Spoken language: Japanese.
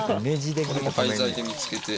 これも廃材で見つけて。